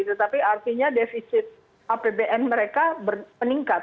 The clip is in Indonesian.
tetapi artinya defisit apbn mereka meningkat